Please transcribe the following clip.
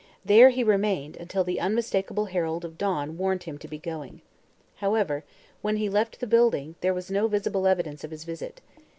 There he remained until the unmistakable herald of dawn warned him to be going. However, when he left the building there was no visible evidence of his visit.